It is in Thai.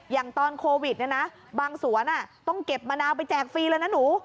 อย่างตอนโควิดเนี่ยนะบางสวนต้องเก็บมะนาวไปแจกฟรีเลยนะหนู